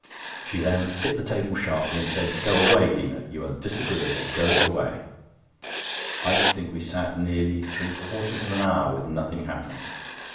She then hit the table sharply, and said: "Go away, Lina; you are disagreeable. Go away!" I should think we sat nearly three quarters of an hour with nothing happening.